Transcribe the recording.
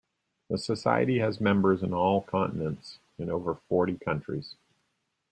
The Society has members in all continents, in over forty countries.